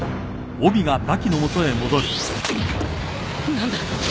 何だ？